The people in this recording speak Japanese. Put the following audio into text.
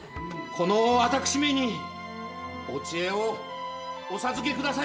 この私めにお知恵をお授けくださいませ。